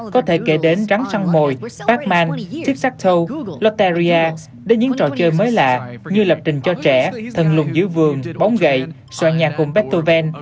có thể kể đến rắn săn mồi batman tic tac toe loteria đến những trò chơi mới lạ như lập trình cho trẻ thần lùng dưới vườn bóng gậy soạn nhạc cùng beethoven